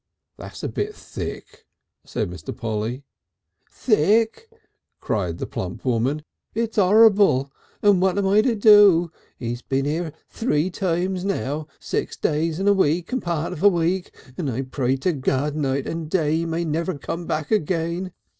"That's a Bit Thick," said Mr. Polly. "Thick!" cried the plump woman; "it's 'orrible! And what am I to do? He's been here three times now, six days and a week and a part of a week, and I pray to God night and day he may never come again.